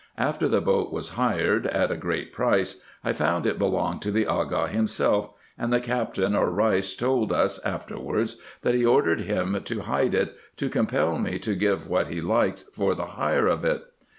After the boat was hired, at a great price, I found it belonged to the Aga himself; and the Captain or Beis told us, afterwards, that he ordered him to hide it, to compel me to give what he liked for the hire of it.